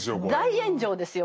大炎上ですよ